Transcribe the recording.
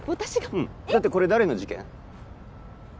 うんだってこれ誰の事件？